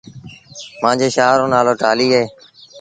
مآݩجي شآهر رو نآلو ٽآلهيٚ اهي